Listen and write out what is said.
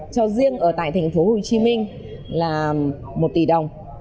cho riêng ở tại thành phố hồ chí minh là một tỷ đồng